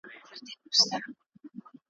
شمله جګه وي ور پاته د وختونو به غلام وي `